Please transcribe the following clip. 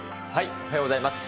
おはようございます。